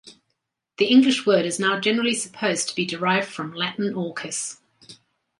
The English word is now generally supposed to be derived from Latin Orcus.